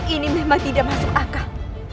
ini memang tidak masuk akal